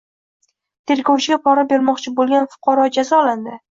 Tergovchiga pora bermoqchi bo‘lgan fuqaro jazolanding